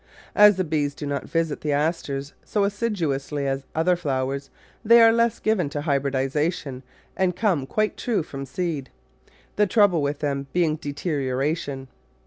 As the bees do not visit the Asters so assiduously as other flowers, they are less given to hybridisation and come quite true from seed; the trouble with them being deterioration.